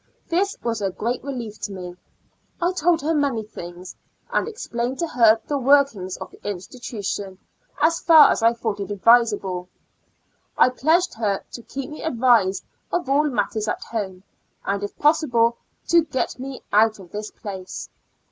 This was a great relief to me. I told her many things, and explained to her the workings of the institution, as far as I thought it advisible. I pledged her to keep me advised of all matters at home, and if possible to get me out of this place.